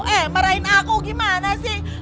eh marahin aku gimana sih